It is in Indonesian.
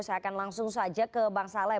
saya akan langsung saja ke bang saleh